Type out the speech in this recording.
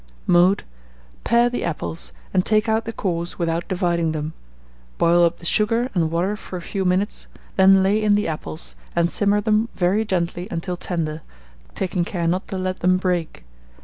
Mode. Pare the apples, and take out the cores without dividing them; boil up the sugar and water for a few minutes; then lay in the apples, and simmer them very gently until tender, taking care not to let them break.